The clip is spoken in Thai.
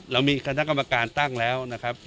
เรามีคณะกรรมการตั้งแล้วนะครับ